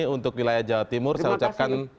untuk wilayah jawa timur saya ucapkan